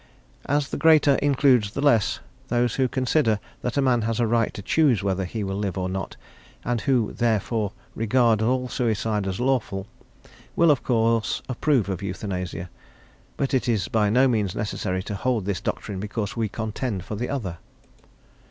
As the greater includes the less, those who consider that a man has a right to choose whether he will live or not, and who therefore regard all suicide as lawful, will, of course, approve of euthanasia; but it is by no means necessary to hold this doctrine because we contend for the other.